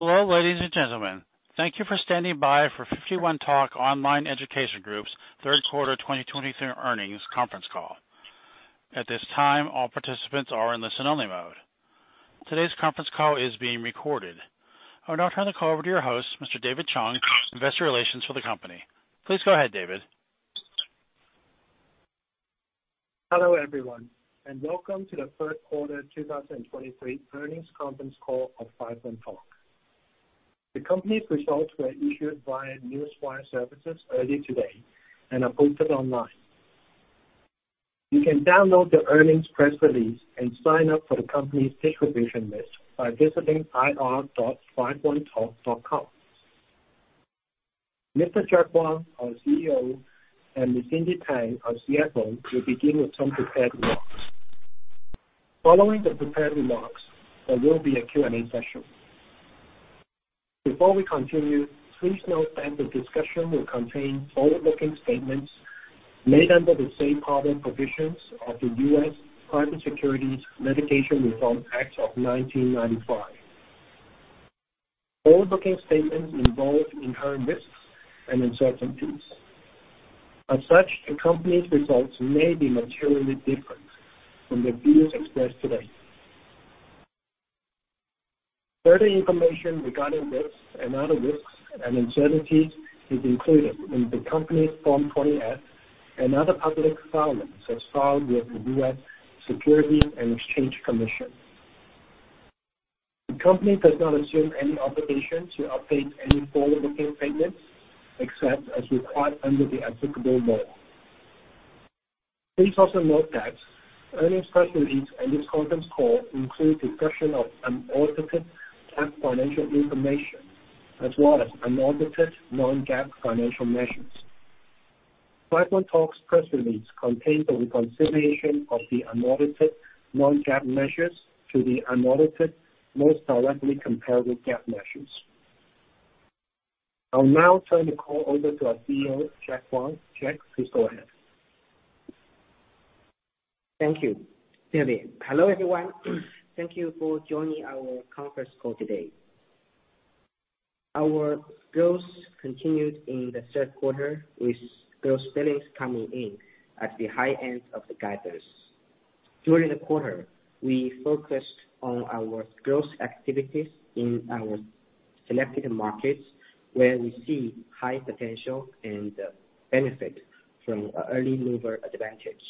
Hello, ladies and gentlemen. Thank you for standing by for 51Talk Online Education Group's third quarter 2023 earnings conference call. At this time, all participants are in listen-only mode. Today's conference call is being recorded. I would now turn the call over to your host, Mr. David Chung, Investor Relations for the company. Please go ahead, David. Hello, everyone, and welcome to the third quarter 2023 earnings conference call of 51Talk. The company's results were issued via Newswire Services early today and are posted online. You can download the earnings press release and sign up for the company's distribution list by visiting ir.51talk.com. Mr. Jack Huang, our CEO, and Ms. Cindy Tang, our CFO, will begin with some prepared remarks. Following the prepared remarks, there will be a Q&A session. Before we continue, please note that the discussion will contain forward-looking statements made under the safe harbor provisions of the U.S. Private Securities Litigation Reform Act of 1995. Forward-looking statements involve inherent risks and uncertainties. As such, the company's results may be materially different from the views expressed today. Further information regarding risks and other risks and uncertainties is included in the company's Form 20-F and other public filings as filed with the U.S. Securities and Exchange Commission. The company does not assume any obligation to update any forward-looking statements except as required under the applicable law. Please also note that earnings press release and this conference call include discussion of unaudited financial information, as well as unaudited non-GAAP financial measures. 51Talk's press release contains a reconciliation of the unaudited non-GAAP measures to the unaudited most directly comparable GAAP measures. I'll now turn the call over to our CEO, Jack Huang. Jack, please go ahead. Thank you, David. Hello, everyone. Thank you for joining our conference call today. Our growth continued in the third quarter, with gross billings coming in at the high end of the guidance. During the quarter, we focused on our growth activities in our selected markets, where we see high potential and benefit from early mover advantage.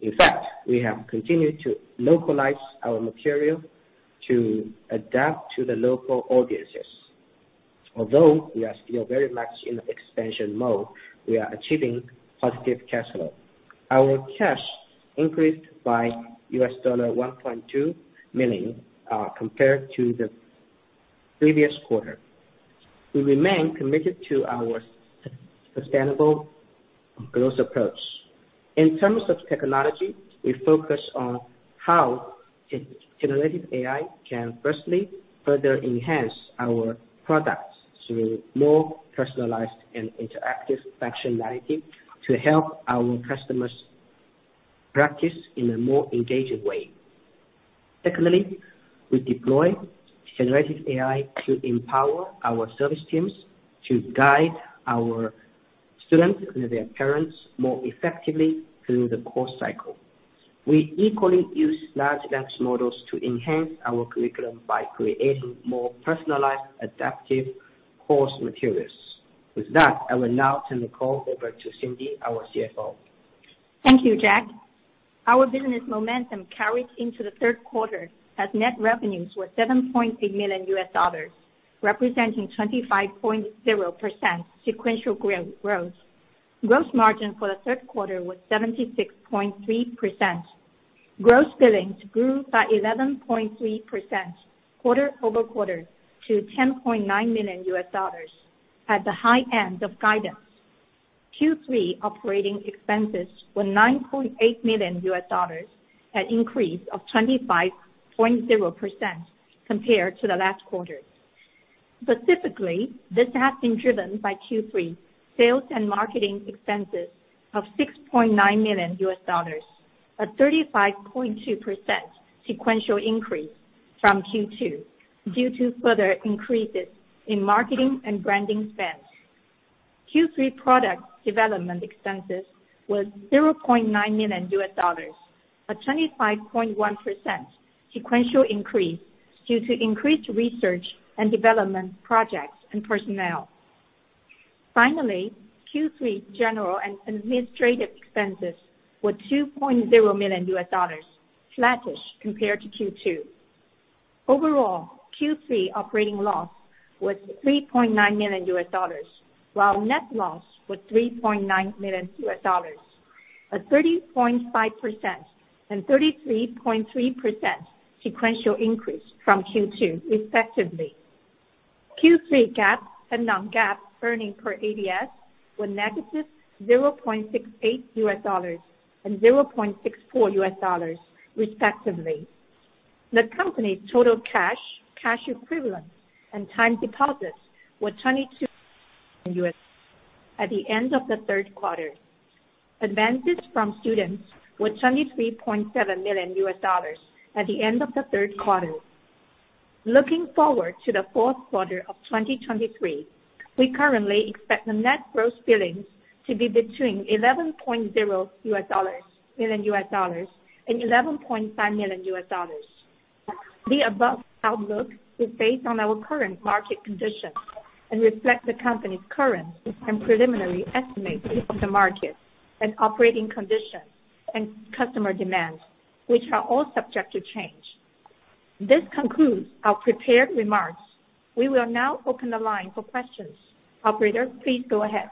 In fact, we have continued to localize our material to adapt to the local audiences. Although we are still very much in expansion mode, we are achieving positive cash flow. Our cash increased by $1.2 million compared to the previous quarter. We remain committed to our sustainable growth approach. In terms of technology, we focus on how generative AI can firstly further enhance our products through more personalized and interactive functionality to help our customers practice in a more engaging way. Secondly, we deploy generative AI to empower our service teams to guide our students and their parents more effectively through the course cycle. We equally use Large Language Models to enhance our curriculum by creating more personalized, adaptive course materials. With that, I will now turn the call over to Cindy, our CFO. Thank you, Jack. Our business momentum carried into the third quarter, as net revenues were $7.8 million, representing 25.0% sequential growth. Gross margin for the third quarter was 76.3%. Gross billings grew by 11.3% quarter-over-quarter to $10.9 million at the high end of guidance. Q3 operating expenses were $9.8 million, an increase of 25.0% compared to the last quarter. Specifically, this has been driven by Q3 sales and marketing expenses of $6.9 million, a 35.2% sequential increase from Q2 due to further increases in marketing and branding spend. Q3 product development expenses was $0.9 million, a 25.1% sequential increase due to increased research and development projects and personnel. Finally, Q3 general and administrative expenses were $2.0 million, flattish compared to Q2. Overall, Q3 operating loss was $3.9 million, while net loss was $3.9 million, a 30.5% and 33.3% sequential increase from Q2, respectively. Q3 GAAP and non-GAAP earnings per ADS were -$0.68 and $0.64, respectively. The company's total cash, cash equivalents and time deposits were $22.9 million at the end of the third quarter. Advances from students were $23.7 million at the end of the third quarter. Looking forward to the fourth quarter of 2023, we currently expect the net gross billings to be between $11.0 million and $11.5 million. The above outlook is based on our current market conditions and reflect the company's current and preliminary estimates of the market and operating conditions and customer demands, which are all subject to change. This concludes our prepared remarks. We will now open the line for questions. Operator, please go ahead.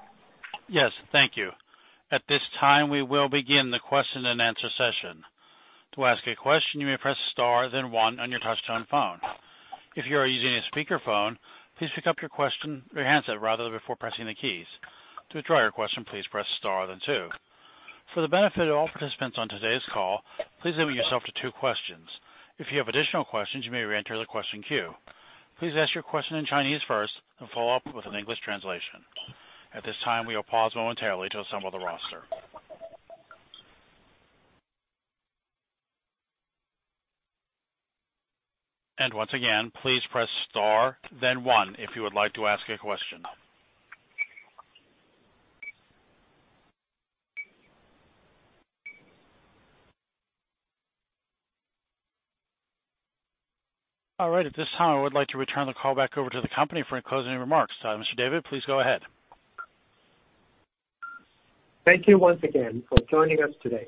Yes, thank you. At this time, we will begin the question and answer session. To ask a question, you may press star then one on your touchtone phone. If you are using a speakerphone, please pick up your handset, rather, before pressing the keys. To withdraw your question, please press star then two. For the benefit of all participants on today's call, please limit yourself to two questions. If you have additional questions, you may reenter the question queue. Please ask your question in Chinese first and follow up with an English translation. At this time, we will pause momentarily to assemble the roster. And once again, please press star, then one if you would like to ask a question. All right, at this time, I would like to return the call back over to the company for any closing remarks. Mr. David, please go ahead. Thank you once again for joining us today.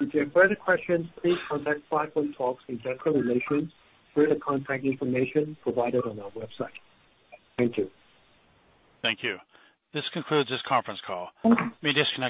If you have further questions, please contact 51Talk investor relations through the contact information provided on our website. Thank you. Thank you. This concludes this conference call. You may disconnect.